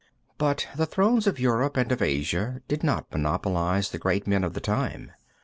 But the thrones of Europe and of Asia did not monopolize the great men of the time.